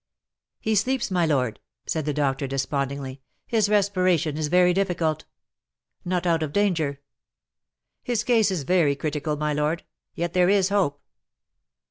"He sleeps, my lord," said the doctor, despondingly; "his respiration is very difficult." "Not out of danger?" "His case is very critical, my lord; yet there is hope."